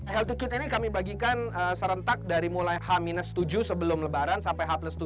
healthy kit ini kami bagikan serentak dari mulai h tujuh sebelum lebaran sampai h tujuh